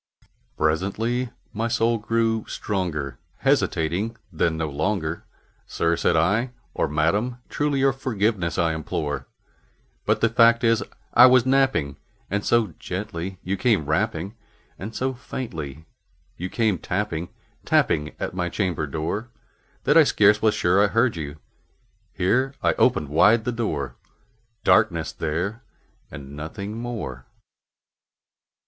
Presently my soul grew stronger; hesitating then no longer, "Sir," said I, "or Madam, truly your forgiveness I implore; But the fact is I was napping, and so gently you came rapping, And so faintly you came tapping tapping at my chamber door, That I scarce was sure I heard you" here I opened wide the door: Darkness there and nothing more.